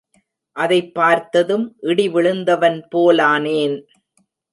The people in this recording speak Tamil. அதைப் பார்த்தும் இடி விழுந்தவன் போலானேன்.